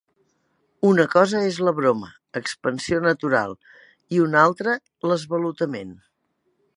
Una cosa és la broma, expansió natural, i una altra l'esvalotament.